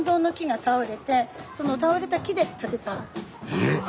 えっ？